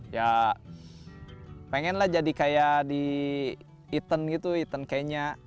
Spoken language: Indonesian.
ya pengenlah jadi kayak di eton gitu eton kenya